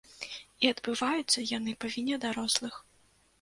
І адбываюцца яны па віне дарослых.